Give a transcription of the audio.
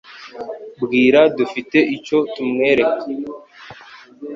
Bwira dufite icyo tumwereka.